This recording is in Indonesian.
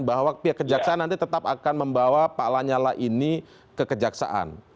bahwa pihak kejaksaan nanti tetap akan membawa pak lanyala ini ke kejaksaan